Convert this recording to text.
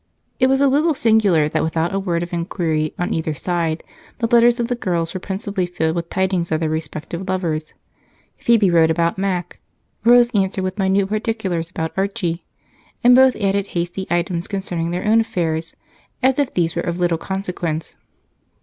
It was a little singular that without a word of inquiry on either side, the letters of the girls were principally filled with tidings of their respective lovers. Phebe wrote about Mac; Rose answered with minute particulars about Archie; and both added hasty items concerning their own affairs, as if these were of little consequence.